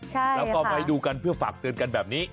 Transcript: แล้วก็มาดูกันเพื่อฝากเตือนกันแบบนี้